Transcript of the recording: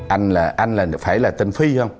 anh là phải là tên phi không